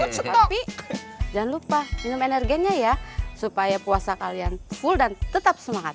tapi jangan lupa minum energinya ya supaya puasa kalian full dan tetap semangat